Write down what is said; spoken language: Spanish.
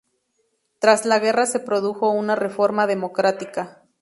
Tras la guerra se produjo una reforma democrática.